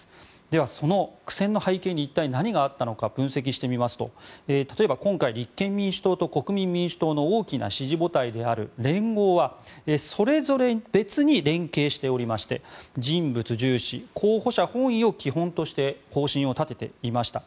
では、その苦戦の背景に一体何があったのか分析してみますと、例えば今回立憲民主党と国民民主党の大きな支持母体である連合はそれぞれ別に連携しておりまして人物重視候補者本意を基本として方針を立てていました。